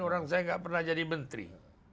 orang saya nggak pernah jadi menteri